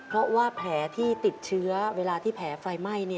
เพราะว่าแผลที่ติดเชื้อเวลาที่แผลไฟไหม้